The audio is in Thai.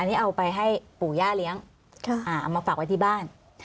อันนี้เอาไปให้ปู่ย่าเลี้ยงเอามาฝากไว้ที่บ้าน